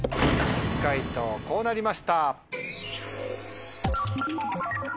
解答こうなりました。